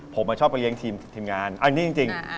ผมชอบไปเลี้ยงทีมงานอันนี้จริง